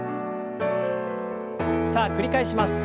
さあ繰り返します。